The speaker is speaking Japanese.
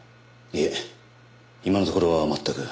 いえ今のところは全く。